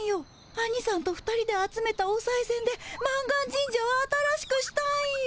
アニさんと２人で集めたおさいせんで満願神社を新しくしたんよ。